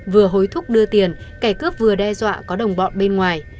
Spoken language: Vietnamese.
vừa hối thúc đưa tiền kẻ cướp vừa đe dọa có đồng bọn bên ngoài